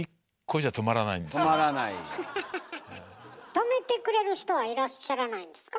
とめてくれる人はいらっしゃらないんですか？